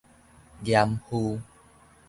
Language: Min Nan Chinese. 嚴父